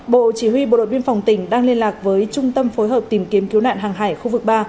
bộ chỉ huy bộ đội biên phòng tỉnh đang liên lạc với trung tâm phối hợp tìm kiếm cứu nạn hàng hải khu vực ba